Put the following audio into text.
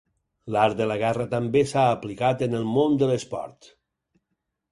L'art de la guerra també s'ha aplicat en el món de l'esport.